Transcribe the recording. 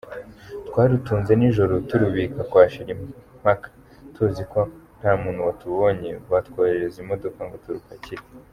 Twarutunze nijoro turubika kwa Shirimpaka tuzi ko nta muntu watubonye batwoherereza imodoka ngo turupakire”.